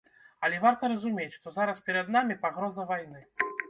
Але варта разумець, што зараз перад намі пагроза вайны.